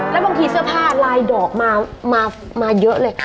แล้วบางทีเสื้อผ้าลายดอกมาเยอะเลยค่ะ